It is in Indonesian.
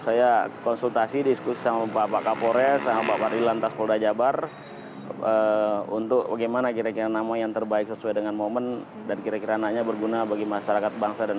saya konsultasi diskusi sama pak kapolres sama pak parilan tas polrajabar untuk bagaimana kira kira nama yang terbaik sesuai dengan momen dan kira kira anaknya berguna bagi masyarakat bangsa